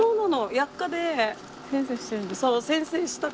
薬科で。